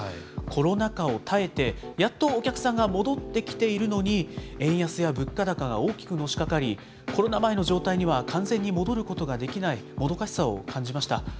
コロナ禍を耐えて、やっとお客さんが戻ってきているのに、円安や物価高が大きくのしかかり、コロナ前の状態には完全に戻ることができないもどかしさを感じました。